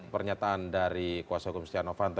pernyataan dari kuasa hukum stiano vanto